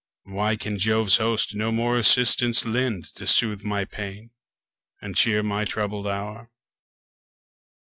Why can Jove's host no more assistance lend, To soothe my pains, and cheer my troubled hour?